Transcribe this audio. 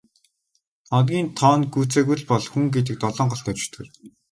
Хоногийн тоо нь гүйцээгүй л бол хүн гэдэг долоон голтой чөтгөр.